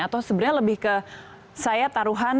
atau sebenarnya lebih ke saya taruhan